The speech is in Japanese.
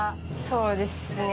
そうですね。